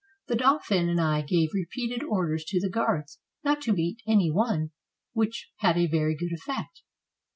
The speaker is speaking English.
The dauphin and I gave repeated orders to the Guards not to beat any one, which had a very good effect.